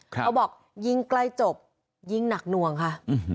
เขาบอกยิ่งใกล้จบยิ่งหนักหน่วงค่ะ